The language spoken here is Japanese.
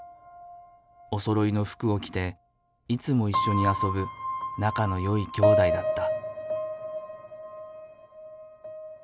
おそろいの服を着ていつも一緒に遊ぶ仲の良い兄弟だった。